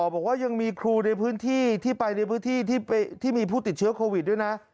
บอกว่ายังมีครูในพื้นที่ที่ไปในพื้นที่ที่มีผู้ติดเชื้อโควิดด้วยนะ